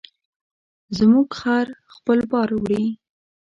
زموږ خر خپل بار وړي.